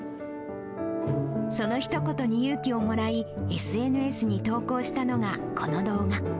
そのひとことに勇気をもらい、ＳＮＳに投稿したのがこの動画。